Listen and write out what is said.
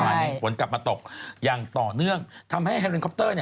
ใช่ฝนกลับมาตกยังต่อเนื่องทำให้แฮรนด์คอปเตอร์